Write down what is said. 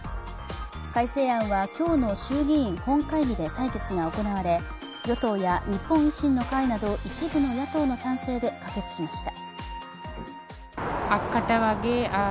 改正案は今日の衆議院本会議で採決が行われ、与党や日本維新の会など一部の野党の賛成で可決しました。